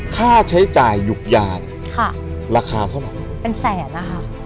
ค่าใช้จ่ายยุคยาค่ะราคาเท่านั้นเป็นแสนนะครับ